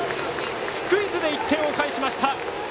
スクイズで１点を返しました。